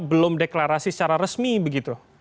belum deklarasi secara resmi begitu